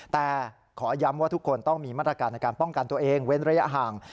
แต่ขอย้ำว่าทุกคนต้องมีมาตรการในการป้องกันตัวเองเว้นระยะห่าง